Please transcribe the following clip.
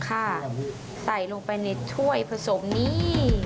ใส่ลงไปในถ้วยผสมนี้